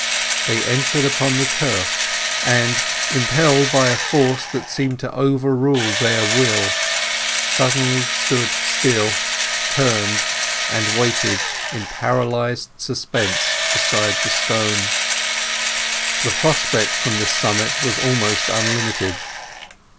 They entered upon the turf, and, impelled by a force that seemed to overrule their will, suddenly stood still, turned, and waited in paralyzed suspense beside the stone. The prospect from this summit was almost unlimited.